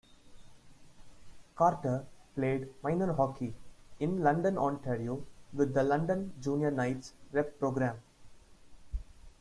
Carter played minor hockey in London, Ontario, with the London Jr. Knights rep program.